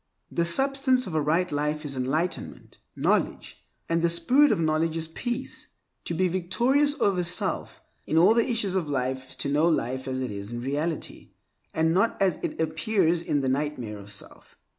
The substance of a right life is enlightenment (knowledge), and the spirit of knowledge is peace. To be victorious over self in all the issues of life is to know life as it is in reality, and not as it appears in the nightmare of self.